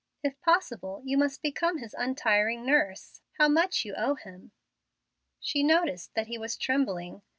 If possible, you must become his untiring nurse. How much you owe him!" She noticed that he was trembling.